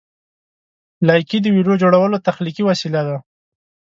لایکي د ویډیو جوړولو تخلیقي وسیله ده.